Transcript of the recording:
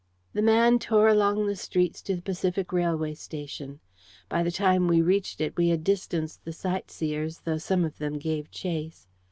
The man tore along the streets to the Pacific railway station. By the time we reached it we had distanced the sightseers, though some of them gave chase.